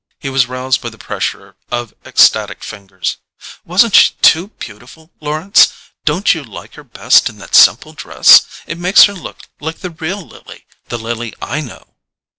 He was roused by the pressure of ecstatic fingers. "Wasn't she too beautiful, Lawrence? Don't you like her best in that simple dress? It makes her look like the real Lily—the Lily I know."